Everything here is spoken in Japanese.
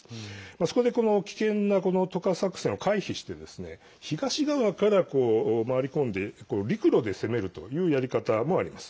そこで危険な渡河作戦を回避して東側から回り込んで陸路で攻めるというやり方もあります。